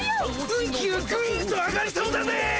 運気がぐんと上がりそうだぜ。